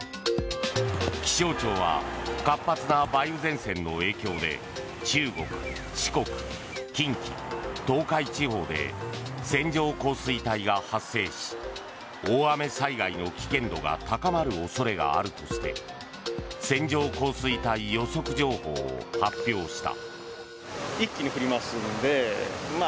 気象庁は活発な梅雨前線の影響で中国、四国、近畿、東海地方で線状降水帯が発生し大雨災害の危険度が高まる恐れがあるとして線状降水帯予測情報を発表した。